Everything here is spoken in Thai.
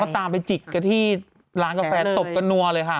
ตามไปจิกกันที่ร้านกาแฟตบกันนัวเลยค่ะ